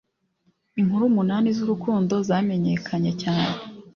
Inkuru umunani z'urukundo zamenyekanye cyane